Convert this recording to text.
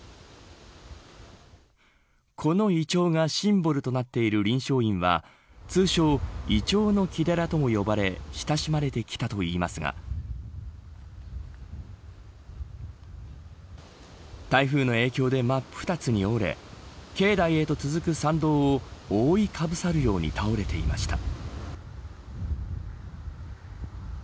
このイチョウがシンボルとなっている麟祥院は通称、イチョウの木寺とも呼ばれ親しまれてきたともいいますが台風の影響で真っ二つに折れ境内へと続く山道を覆いかぶさるように倒れていました。